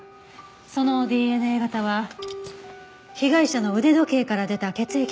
そのＤＮＡ型は被害者の腕時計から出た血液と一致しました。